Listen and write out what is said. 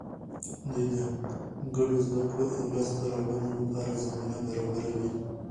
دوی د ګډو زده کړو او لاسته راوړنو لپاره زمینه برابروي.